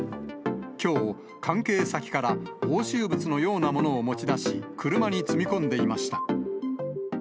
きょう、関係先から押収物のようなものを持ち出し、車に積み込んでいました。